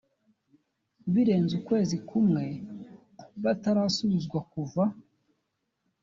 birenze ukwezi kumwe batarasubizwa kuva